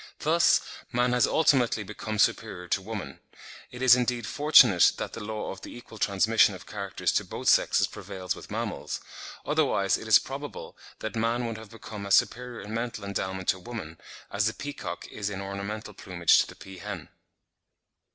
Thus, man has ultimately become superior to woman. It is, indeed, fortunate that the law of the equal transmission of characters to both sexes prevails with mammals; otherwise, it is probable that man would have become as superior in mental endowment to woman, as the peacock is in ornamental plumage to the peahen.